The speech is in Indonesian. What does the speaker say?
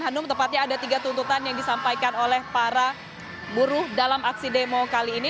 hanum tepatnya ada tiga tuntutan yang disampaikan oleh para buruh dalam aksi demo kali ini